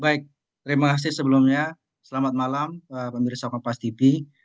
baik terima kasih sebelumnya selamat malam pemirsa kompas tipi